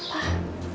sampai jumpa lagi